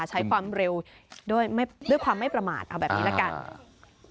ใช้ความเร็วด้วยความไม่ประมาทเอาแบบนี้ละกัน